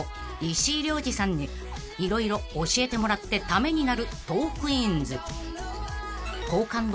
石井亮次さんに色々教えてもらってためになる『トークィーンズ』］